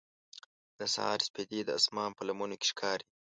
د سهار سپېدې د اسمان په لمنو کې ښکاري.